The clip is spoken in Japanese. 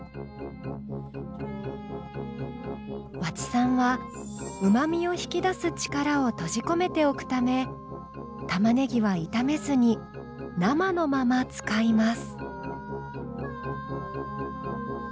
和知さんはうまみを引き出す力を閉じ込めておくため玉ねぎは炒めずに生のまま使います。